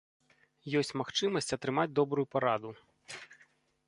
Ёсць магчымасць атрымаць добрую параду.